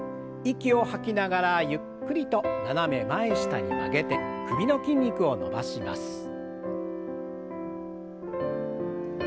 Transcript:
息を吐きながらゆっくりと斜め前下に曲げて首の筋肉を伸ばします。